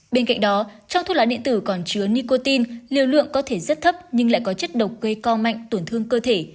bên cạnh đó trong thuốc lá điện tử còn chứa nicotine liều lượng có thể rất thấp nhưng lại có chất độc gây co mạnh tổn thương cơ thể